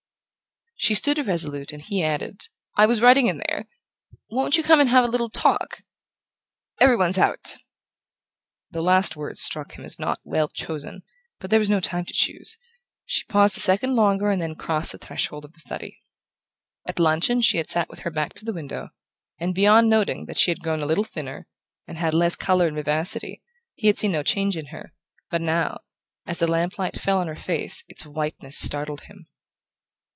She stood irresolute, and he added: "I was writing in there won't you come and have a little talk? Every one's out." The last words struck him as not well chosen, but there was no time to choose. She paused a second longer and then crossed the threshold of the study. At luncheon she had sat with her back to the window, and beyond noting that she had grown a little thinner, and had less colour and vivacity, he had seen no change in her; but now, as the lamplight fell on her face, its whiteness startled him.